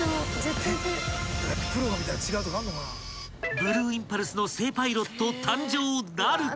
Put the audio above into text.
［ブルーインパルスの正パイロット誕生なるか⁉］